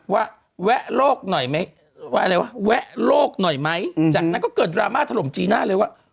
แวะโลกหน่อยไหมว่าอะไรวะแวะโลกหน่อยไหมจากนั้นก็เกิดดราม่าถล่มจีน่าเลยว่า